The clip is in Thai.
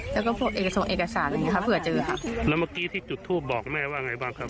แล้วก็พวกเอกส่งเอกสารอย่างงี้ครับเผื่อเจอค่ะแล้วเมื่อกี้ที่จุดทูปบอกแม่ว่าไงบ้างครับ